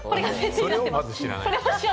それをまず知らない。